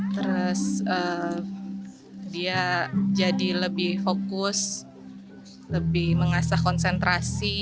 terus dia jadi lebih fokus lebih mengasah konsentrasi